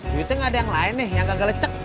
duitnya gak ada yang lain nih yang gak lecek